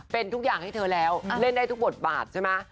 เป็นทุกอย่างให้เธอแล้วเล่นได้ทุกบทบาทใช่ไหม